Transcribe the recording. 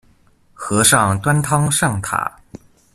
和尚端湯上塔